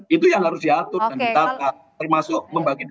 itu yang harus diatur dan ditata termasuk membagi dua puluh itu